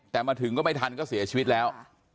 แต่มาถึงก็ไม่ทันก็เสียชีวิตแล้ว